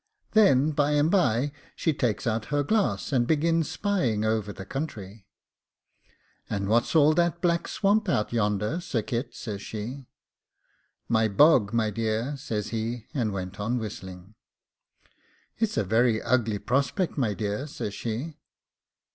Then by and by she takes out her glass, and begins spying over the country. 'And what's all that black swamp out yonder, Sir Kit?' says she. 'My bog, my dear,' says he, and went on whistling. 'It's a very ugly prospect, my dear,' says she.